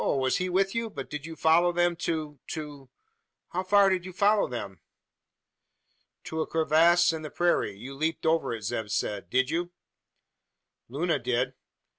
he was with you? But did you follow them to to how far did you follow them?" "To a crevasse in the prairie. You leaped over it, Zeb said. Did you?" "Luna did."